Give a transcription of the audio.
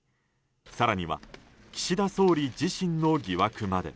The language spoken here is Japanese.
更には岸田総理自身の疑惑まで。